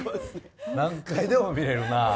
何回でも見れるな。